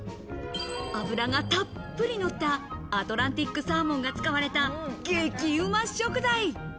脂がたっぷりのった、アトランティックサーモンが使われた激うま食材。